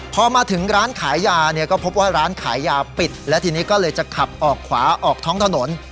พอมาถึงร้านขายยาเนี่ยก็พบว่าร้านขายยาปิดและทีนี้ก็เลยจะขับออกขวาออกท้องถนน